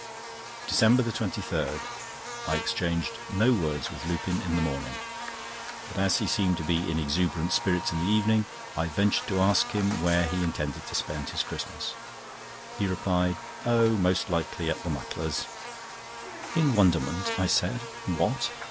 DECEMBER 23.—I exchanged no words with Lupin in the morning; but as he seemed to be in exuberant spirits in the evening, I ventured to ask him where he intended to spend his Christmas. He replied: "Oh, most likely at the Mutlars'." In wonderment, I said: "What!